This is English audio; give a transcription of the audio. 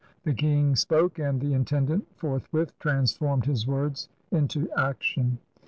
The King spoke and the intendant forthwith transformed his words into action.